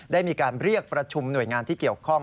ได้มีการเรียกประชุมหน่วยงานที่เกี่ยวข้อง